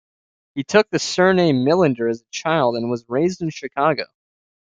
He took the surname Millinder as a child, and was raised in Chicago.